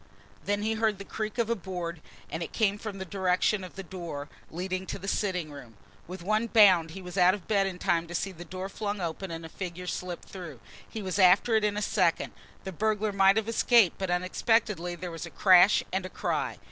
Then he heard the creak of a board and it came from the direction of the door leading to the sitting room. With one bound he was out of bed in time to see the door flung open and a figure slip through. He was after it in a second. The burglar might have escaped, but unexpectedly there was a crash and a cry.